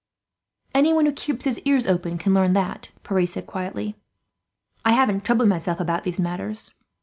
"Anyone who keeps his ears open can learn that," Pierre said quietly. "I haven't troubled myself about these matters.